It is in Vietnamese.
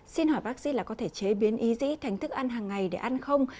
xin hỏi bác sĩ là có thể chế biến ý dĩ thành thức ăn hàng ngày để ăn không